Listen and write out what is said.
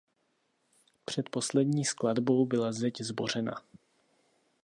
Před poslední skladbou byla zeď zbořena.